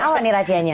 awal nih rahasianya